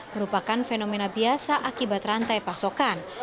merupakan fenomena biasa akibat rantai pasokan